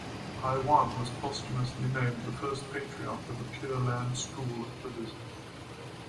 Huiyuan was posthumously named First Patriarch of the Pure Land School of Buddhism.